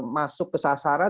masuk ke sasaran